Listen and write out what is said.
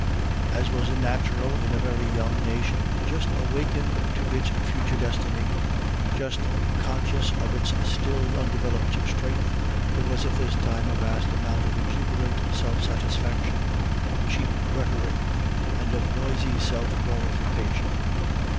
As was natural in a very young nation, just awakened to its future destiny, just conscious of its still undeveloped strength, there was at this time a vast amount of exuberant self satisfaction, of cheap rhetoric, and of noisy self glorification.